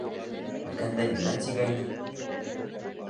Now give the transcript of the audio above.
Үткәндә нимә тигәйнең?